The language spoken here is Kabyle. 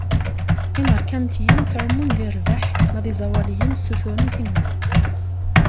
Imerkantiyen ttɛumun di rrbeḥ, ma d iẓawaliyen suturen tin n Ṛebbi.